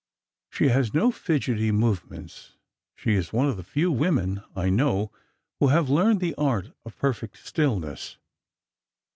She has no fidgety movements. She is one of the few women I know who have learned the art of perfect stillness.